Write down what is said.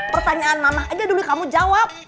pertanyaan mama aja dulu kamu jawab